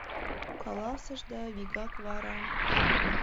...Каласыш да вигак вара